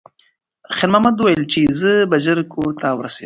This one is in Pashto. خیر محمد وویل چې زه به ژر کور ته ورسیږم.